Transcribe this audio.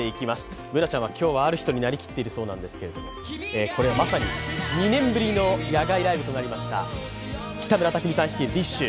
Ｂｏｏｎａちゃんは今日はある人になりきっているようなんですがまさに、２年ぶりの野外ライブとなりました北村匠海さん率いるＤＩＳＨ／／。